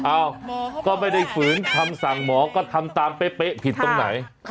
เอ้าก็ไม่ได้ฝืนคำสั่งหมอก็ทำตามเป๊ะผิดตรงไหน